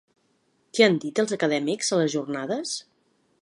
Què han dit els acadèmics a les jornades?